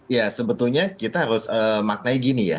ya sebetulnya kita harus maknai gini ya